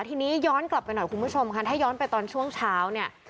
ทีนี้ย้อนกลับไปหน่อยคุณผู้ชมค่ะถ้าย้อนไปตอนช่วงเช้าเนี่ย